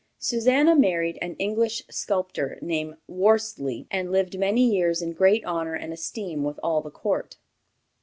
Susannah married an English sculptor, named Whorstly, and lived many years in great honor and esteem with all the court.